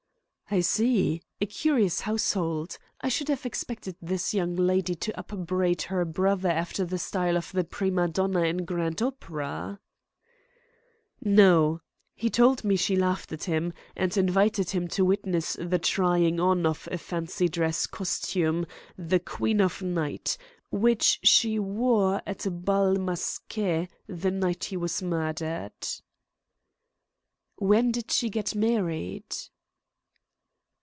"I see. A curious household. I should have expected this young lady to upbraid her brother after the style of the prima donna in grand opera." "No. He told me she laughed at him, and invited him to witness the trying on of a fancy dress costume, the 'Queen of Night,' which she wore at a bal masqué the night he was murdered." "When did she get married?"